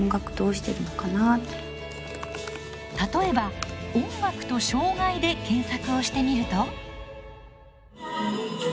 例えば「音楽」と「障がい」で検索をしてみると。